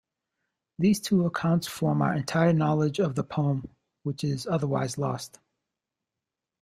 These two accounts form our entire knowledge of the poem, which is otherwise lost.